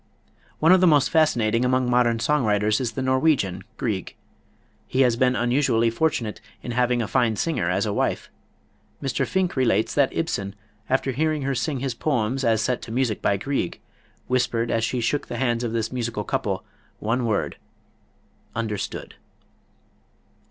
One of the most fascinating among modern song writers is the Norwegian, Grieg. He has been unusually fortunate in having a fine singer as a wife. Mr. Finck relates that Ibsen, after hearing her sing his poems as set to music by Grieg, whispered as he shook the hands of this musical couple, the one word, "Understood."